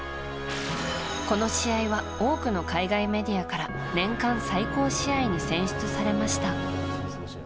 この試合は多くの海外メディアから年間最高試合に選出されました。